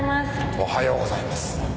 おはようございます。